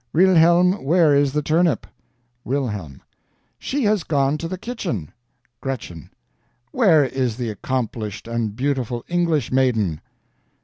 Wilhelm, where is the turnip? "Wilhelm. She has gone to the kitchen. "Gretchen. Where is the accomplished and beautiful English maiden?